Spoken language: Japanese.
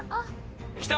来た。